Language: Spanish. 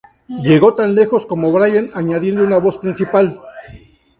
Llegó tan lejos como Brian añadiendo una voz principal.